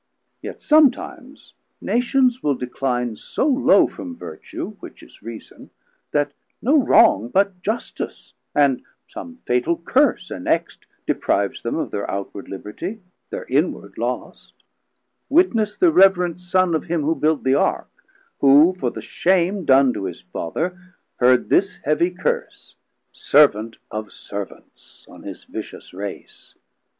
Yet somtimes Nations will decline so low From vertue, which is reason, that no wrong, But Justice, and some fatal curse annext Deprives them of thir outward libertie, 100 Thir inward lost: Witness th' irreverent Son Of him who built the Ark, who for the shame Don to his Father, heard this heavie curse, Servant Of Servants, on his vitious Race.